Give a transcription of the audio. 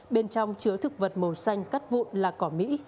bên trong chứa thực vật màu xanh cắt vụn là cỏ mỹ